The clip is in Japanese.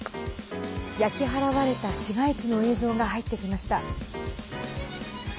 焼き払われた市街地の映像が入ってきました。